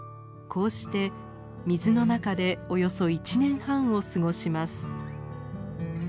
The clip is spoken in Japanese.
こうして水の中でおよそ１年半を過ごします。